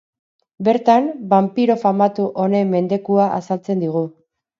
Bertan, banpiro famatu honen mendekua azaltzen digu.